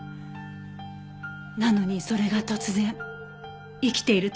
なのにそれが突然生きているとわかった。